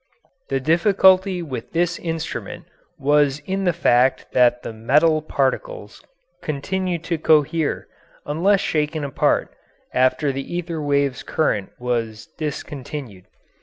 The difficulty with this instrument was in the fact that the metal particles continued to cohere, unless shaken apart, after the ether waves' current was discontinued.